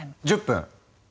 １０分！